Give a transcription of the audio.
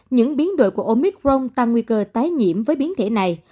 những biến đổi của omicron tăng nguy cơ tái nhiễm với biến thể này